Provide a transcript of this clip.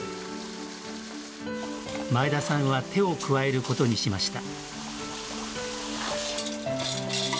前田さんは手を加えることにしました。